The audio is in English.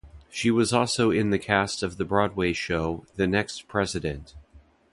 She also was in the cast of the Broadway show "The Next President".